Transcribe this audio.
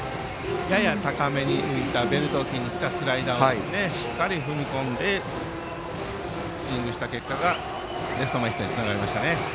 やや高めに浮いたベルト付近にきたスライダーをしっかり踏み込んでスイングした結果がレフト前ヒットにつながりました。